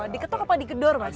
diketok apa dikedor mas